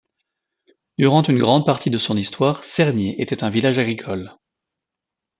Durant une grande partie de son histoire, Cernier était un village agricole.